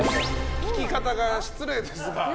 聞き方が失礼ですが。